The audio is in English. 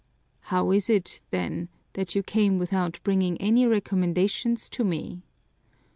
"How is it, then, that you came without bringing any recommendations to me?"